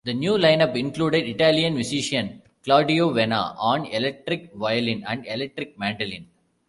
The new lineup included Italian musician Claudio Vena on electric violin and electric mandolin.